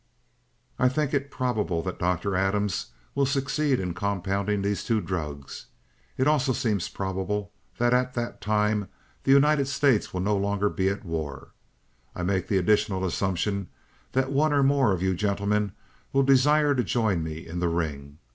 "'I think it probable that Dr. Adams will succeed in compounding these two drugs. It also seems probable that at that time the United States no longer will be at war. I make the additional assumption that one or more of you gentlemen will desire to join me in the ring.